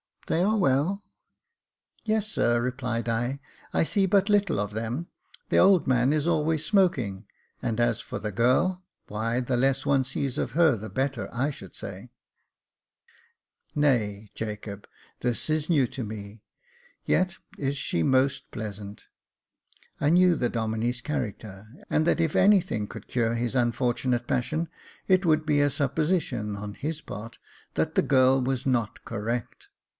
They are well ?" "Yes, sir," replied I. "I see but little of them; the old man is always smoking, and as for the girl — why, the less one sees of her the better, I should say." Jacob Faithful 289 " Nay, Jacob, this is new to me ; yet is she most pleasant." I knew the Domine's character, and that if anything could cure his unfortunate passion, it would be a supposi tion, on his part, that the girl was not correct.